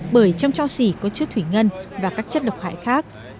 bởi trong cho xỉ có chứa thủy ngân và các chất độc hại khác